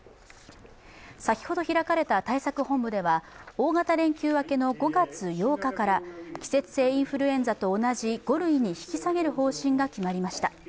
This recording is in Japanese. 先ほど開かれた対策本部では大型連休明けの５月８日から季節性インフルエンザと同じ５類に引き下げる方針が決まりました。